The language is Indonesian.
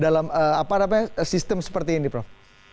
dalam apa namanya sistem seperti ini prof